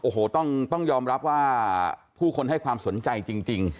โอ้โหต้องยอมรับว่าผู้คนให้ความสนใจจริง